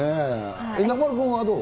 中丸君はどう？